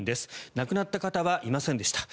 亡くなった方はいませんでした。